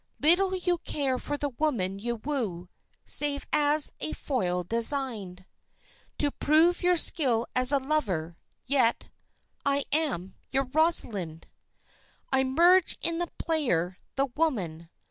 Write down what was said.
Little you care for the woman you woo, save as a foil designed. To prove your skill as a lover yet "I am your Rosalind!" I merge in the player, the woman!